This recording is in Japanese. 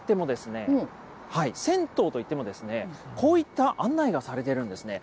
銭湯といっても、こういった案内がされているんですね。